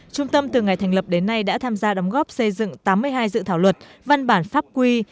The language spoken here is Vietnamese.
trung tâm từ ngày thành lập đến nay đã tham gia đóng góp xây dựng tám mươi hai dự thảo luật văn bản pháp quy